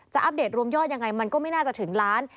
อัปเดตรวมยอดยังไงมันก็ไม่น่าจะถึงล้าน